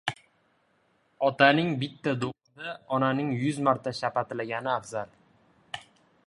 • Otaning bitta do‘qida onaning yuz marta shapatilagani afzal.